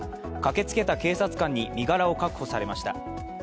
駆けつけた警察官に身柄を確保されました。